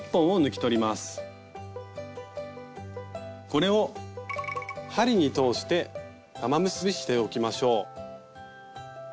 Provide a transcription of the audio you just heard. これを針に通して玉結びしておきましょう。